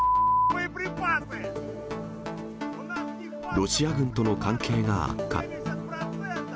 ロシア軍との関係が悪化。